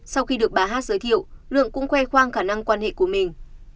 sau khi được bà hát giới thiệu lượng cũng khoe khoang khả năng quan hệ của mình